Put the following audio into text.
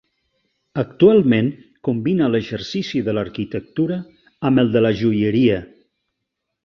Actualment combina l’exercici de l’arquitectura amb el de la joieria.